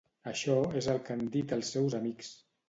Això és el que han dit els seus amics.